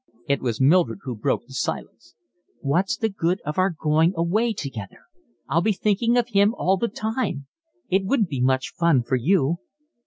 It was Mildred who broke the silence. "What's the good of our going away together? I'd be thinking of him all the time. It wouldn't be much fun for you."